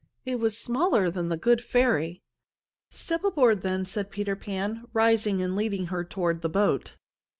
It was smaller than The Good Ferry. "Step aboard, then," said Peter Pan, rising and leading her toward the boat.